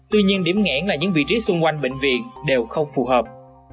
tuy nhiên điểm nghẽn là những vị trí xung quanh bệnh viện đều không phù hợp